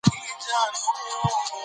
د ټولنې پراختیا په تعلیم پورې اړه لري.